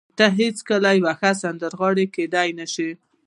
ته هېڅکله یوه ښه سندرغاړې کېدای نشې